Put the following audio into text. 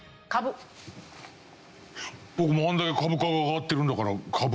僕もあれだけ株価が上がってるんだから株かしらと。